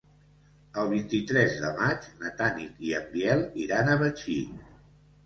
El vint-i-tres de maig na Tanit i en Biel iran a Betxí.